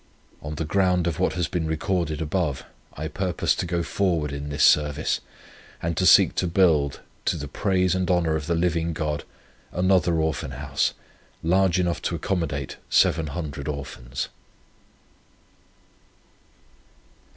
"On the ground of what has been recorded above, I purpose to go forward in this service, and to seek to build, to the praise and honour of the living God, another Orphan House, large enough to accommodate seven hundred Orphans."